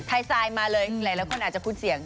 ไซด์มาเลยหลายคนอาจจะพูดเสียง